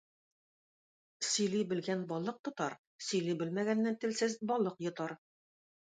Сөйли белгән балык тотар, сөйли белмәгәнне телсез балык йотар.